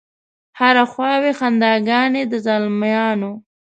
هره خوا وي خنداګانې د زلمیانو